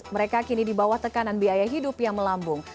mereka kini di bawah tekanan biaya hidup yang melambung